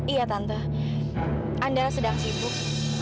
iya tante anda sedang sibuk